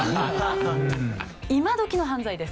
今どきの犯罪です。